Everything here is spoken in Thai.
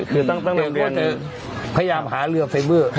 ก็จะพยายามหาเรือไฟเวอร์